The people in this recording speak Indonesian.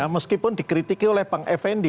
meskipun dikritik oleh pang effendi